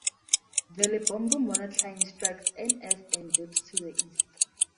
The Lebombo monocline strikes N-S and dips to the east.